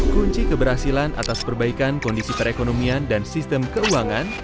kunci keberhasilan atas perbaikan kondisi perekonomian dan sistem keuangan